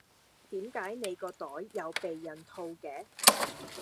點解你個袋有避孕套嘅？